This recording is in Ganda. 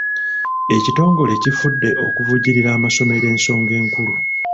Ekitongole kifudde okuvujjirira amasomero ensonga enkulu.